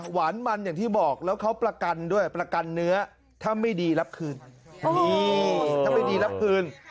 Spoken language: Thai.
หวานมันอย่างที่บอกแล้วเขาประกันด้วยประกันเนื้อถ้าไม่ดีรับคืนนี่ถ้าไม่ดีรับคืน